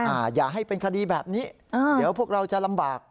อย่าให้เป็นคดีแบบนี้อ่าเดี๋ยวพวกเราจะลำบาก